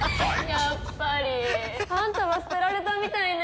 やっぱりあんたは捨てられたみたいね。